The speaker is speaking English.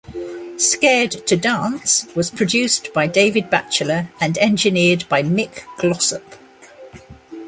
"Scared to Dance" was produced by David Batchelor and engineered by Mick Glossop.